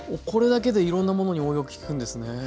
これだけでいろんなものに応用利くんですね。